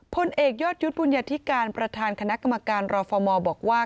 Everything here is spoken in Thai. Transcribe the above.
พลเอกยอดยุทธ์บุญญาธิการประธานคณะกรรมการรฟมบอกว่า